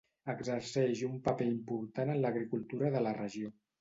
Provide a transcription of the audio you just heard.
Exerceix un paper important en l'agricultura de la regió.